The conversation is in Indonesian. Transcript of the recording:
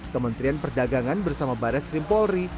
kementerian perdagangan bersama barreskrim polri